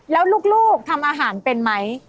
แล้วลูกทำอาหารเป็นไหม